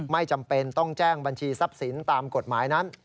ไม่จำเป็นต้องแจ้งบัญชีทรัพย์สินตามกฎหมายนั้น